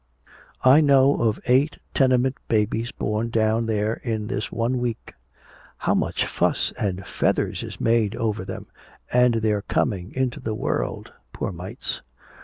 I know of eight tenement babies born down there in this one week. How much fuss and feathers is made over them, and their coming into the world, poor mites?"